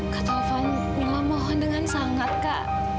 kak taufan allah mohon dengan sangat kak